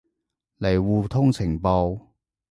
嚟互通情報